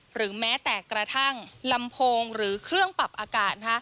หรือแม้แต่กระทั่งลำโพงหรือเครื่องปรับอากาศ